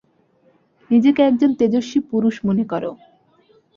নিজেকে একজন তেজস্বী পুরুষ মনে কর।